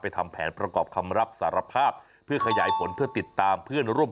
ทำแผนประกอบคำรับสารภาพเพื่อขยายผลเพื่อติดตามเพื่อนร่วม